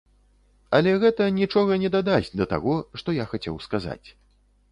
Але гэта нічога не дадасць да таго, што я хацеў сказаць.